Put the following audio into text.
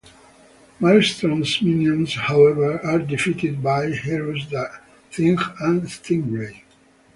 Maelstrom's Minions, however, are defeated by heroes the Thing and Stingray.